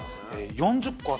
４０個で？